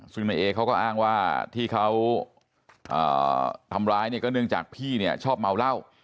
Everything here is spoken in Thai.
ซึ่งนายเอเขาก็อ้างว่าที่เขาทำร้ายเนี่ยก็เนื่องจากพี่เนี่ยชอบเมาเหล้า